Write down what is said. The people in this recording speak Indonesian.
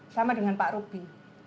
sama dengan pak ruby